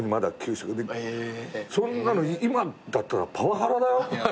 そんなの今だったらパワハラだよ。